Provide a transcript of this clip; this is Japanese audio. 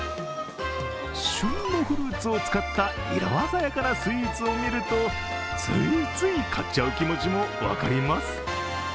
旬のフルーツを使った色鮮やかなスイーツを見るとついつい買っちゃう気持ちも分かります。